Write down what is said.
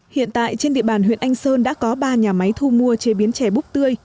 hiện tại trên địa bàn huyện anh sơn đã có ba nhà máy thu mua chế biến trè búp tươi